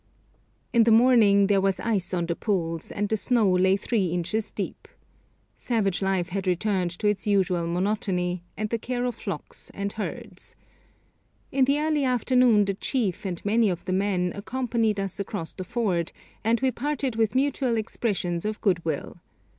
In the morning there was ice on the pools, and the snow lay three inches deep. Savage life had returned to its usual monotony, and the care of flocks and herds. In the early afternoon the chief and many of the men accompanied us across the ford, and we parted with mutual expressions of good will.